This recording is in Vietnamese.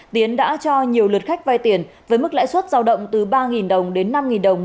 tiến đã cho nhiều lượt khách vay tiền với mức lãi suất giao động từ ba đồng đến năm đồng